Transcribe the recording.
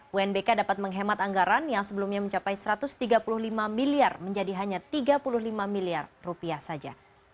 unbk dapat menghemat anggaran yang sebelumnya mencapai satu ratus tiga puluh lima miliar menjadi hanya tiga puluh lima miliar rupiah saja